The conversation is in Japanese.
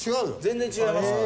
全然違いますか？